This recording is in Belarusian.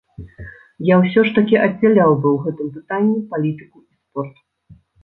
Я ўсё ж такі аддзяляў бы ў гэтым пытанні палітыку і спорт.